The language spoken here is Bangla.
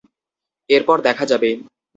এরপর দেখা যাবে।